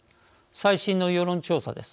最新の世論調査です。